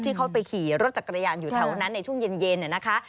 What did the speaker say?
ที่เขาไปขี่รถจักรยานอยู่แถวนั้นในช่วงเย็นนะคะ